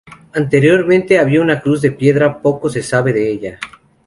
Anteriormente había una cruz de piedra, poco se sabe sobre ella.